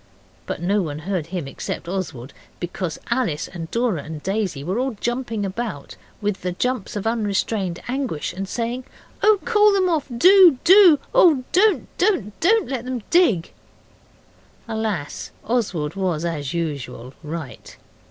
But no one heard him except Oswald, because Alice and Dora and Daisy were all jumping about with the jumps of unrestrained anguish, and saying, 'Oh, call them off! Do! do! oh, don't, don't! Don't let them dig.' Alas! Oswald was, as usual, right.